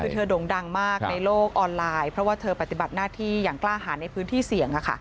คือเธอด่งดังมากในโลกออนไลน์เพราะว่าเธอปฏิบัติหน้าที่อย่างกล้าหาในพื้นที่เสี่ยง